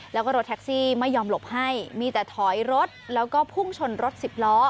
แล้วก็รถแท็กซี่ไม่ยอมหลบให้มีแต่ถอยรถแล้วก็พุ่งชนรถสิบล้อ